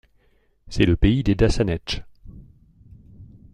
C'est le pays des Dassanetchs.